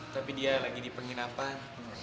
tapi dia lagi di penginapan